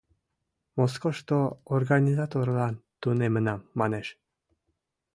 Москошто «организаторлан» тунемынам, манеш.